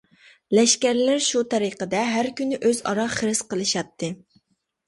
لەشكەرلەر شۇ تەرىقىدە ھەر كۈنى ئۆز ئارا خىرىس قىلىشاتتى.